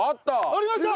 ありました！